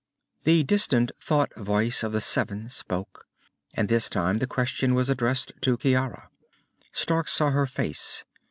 The distant thought voice of the seven spoke, and this time the question was addressed to Ciara. Stark saw her face.